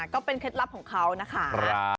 ก็เป็นเคล็ดลับของเขานะคะ